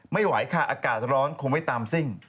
ไม่ไหวค่ะอากาศร้อนคงไม่ตามซิ่ง